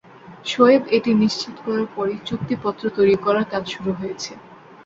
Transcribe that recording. শোয়েব এটি নিশ্চিত করার পরেই চুক্তিপত্র তৈরি করার কাজ শুরু হয়েছে।